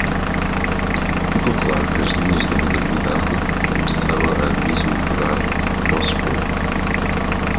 Ficou claro que as luzes da modernidade começaram a vislumbrar nosso povo.